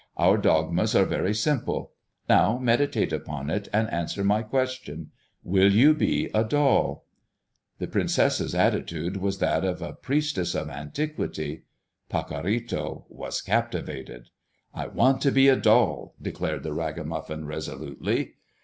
Our dogmas are very simple. Now, meditate upon it, and answer my question, Will you be a doll?" The princess's attitude was that of a priestess of antiquity. Pacorrito was captivated. "I want to be a doll," declared the ragamuffin, resolutely.